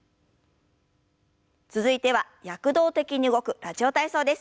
続いては躍動的に動く「ラジオ体操」です。